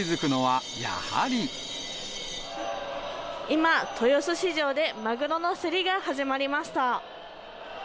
今、豊洲市場でマグロの競りが始まりました。